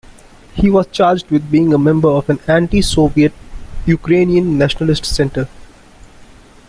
He was charged with being a member of an anti-Soviet Ukrainian nationalist center.